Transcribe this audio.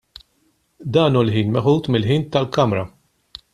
Dan hu ħin meħud mill-ħin tal-Kamra.